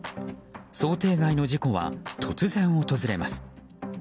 想定外の事故は突然、訪れます。